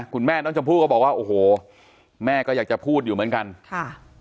คุณแม่น้องชมพู่ก็บอกว่าโอ้โหแม่ก็อยากจะพูดอยู่เหมือนกันค่ะ